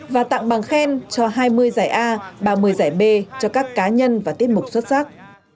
và tặng bằng khen cho hai mươi giải a ba mươi giải b cho các cá nhân và tiết mục xuất sắc